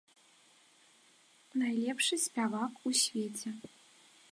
Найлепшы спявак у свеце.